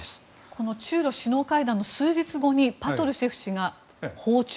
この中ロ首脳会談の数日後にパトルシェフ氏が訪中